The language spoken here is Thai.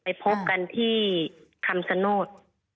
ไปพบกันที่คำสะโนธ